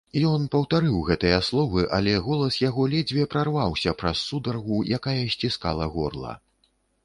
Ён паўтарыў гэтыя словы, але голас яго ледзьве прарваўся праз сударгу, якая сціскала горла.